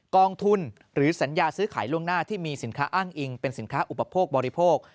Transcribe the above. กองทุนหรือสัญญาซื้อขายล่วงหน้าที่มีสินค้าอ้างอิงเป็นสินค้าอุปโภคบริโภค